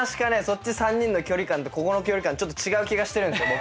そっち３人の距離感とここの距離感ちょっと違う気がしてるんですよ